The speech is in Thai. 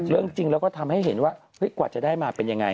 เรื่องจริงแล้วก็ทำให้เห็นว่ากว่าจะได้มาเป็นยังไง